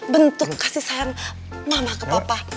bentuk kasih sayang mama ke papa